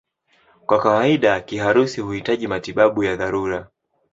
Kwa kawaida kiharusi huhitaji matibabu ya dharura.